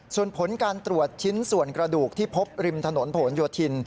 ส่วนผลการตรวจชิ้นส่วนกระดูกที่พบริมถนนผลโยธิน